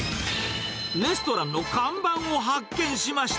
レストランの看板を発見しました。